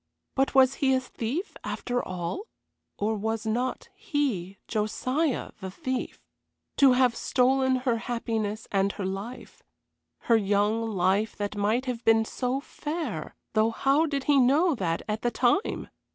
But was he a thief, after all? or was not he Josiah the thief? To have stolen her happiness, and her life. Her young life that might have been so fair, though how did he know that at the time!